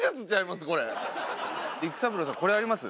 育三郎さんこれあります？